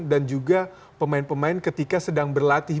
dan juga pemain pemain ketika sedang berlatih